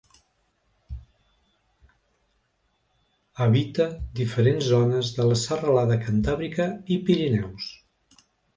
Habita diferents zones de la Serralada Cantàbrica i Pirineus.